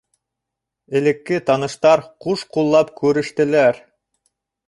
Элекке таныштар ҡуш ҡуллап күрештеләр.